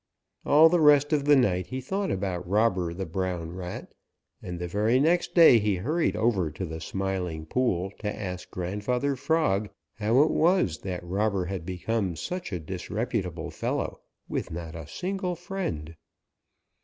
All the rest of the night he thought about Robber the Brown Rat, and the very next day he hurried over to the Smiling Pool to ask Grandfather Frog how it was that Robber had become such a disreputable fellow with not a single friend.